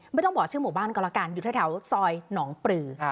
ไม่ต้องบอกชื่อหมู่บ้านก็แล้วกันอยู่แถวซอยหนองปลือ